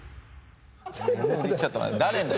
ちょっと待って誰の？